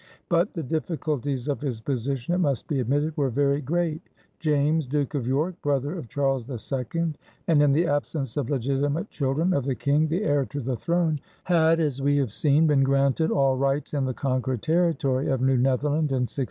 But the difficulties of his position, it must be admitted, were very great. James, Duke of York, brother of Charles II, and, in the absence of legitimate children of the King, the heir to the throne, had, as we have seen, been granted all rights in the conquered territory of New Netherland in 1664.